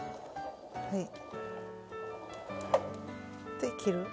で切る？